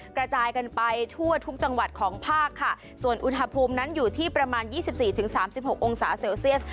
กระจายกันไปทั่วทุกจังหวัดของภาคค่ะส่วนอุณหภูมินั้นอยู่ที่ประมาณยี่สิบสี่ถึงสามสิบหกองศาเซลเซียส